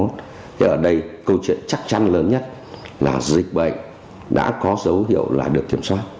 thì ở đây câu chuyện chắc chắn lớn nhất là dịch bệnh đã có dấu hiệu là được kiểm soát